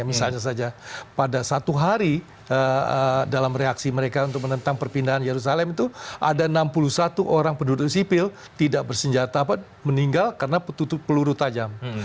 misalnya saja pada satu hari dalam reaksi mereka untuk menentang perpindahan yerusalem itu ada enam puluh satu orang penduduk sipil tidak bersenjata meninggal karena tutup peluru tajam